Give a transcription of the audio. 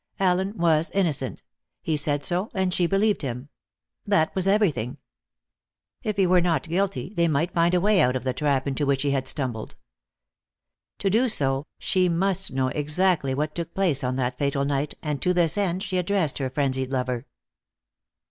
Allen was innocent. He said so, and she believed him. That was everything. If he were not guilty, they might find a way out of the trap into which he had stumbled. To do so, she must know exactly what took place on that fatal night, and to this end she addressed her frenzied lover.